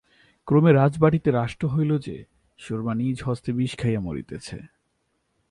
ক্রমে রাজবাটীতে রাষ্ট্র হইল যে, সুরমা নিজ হস্তে বিষ খাইয়া মরিতেছে।